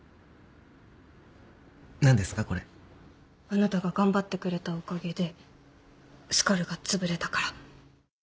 あなたが頑張ってくれたおかげでスカルがつぶれたから